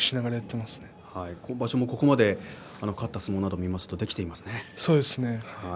今場所も、ここまで勝った相撲を見るとできていますね。